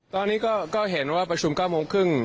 ตอนนี้ก็เห็นว่าประชุม๙โมงครึ่ง